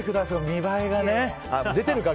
見栄えがね。